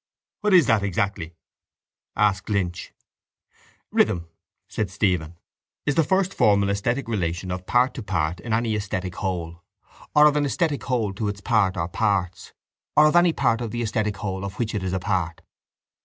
—What is that exactly? asked Lynch. —Rhythm, said Stephen, is the first formal esthetic relation of part to part in any esthetic whole or of an esthetic whole to its part or parts or of any part to the esthetic whole of which it is a part.